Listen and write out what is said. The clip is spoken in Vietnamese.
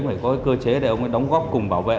phải có cơ chế để ông đóng góp cùng bảo vệ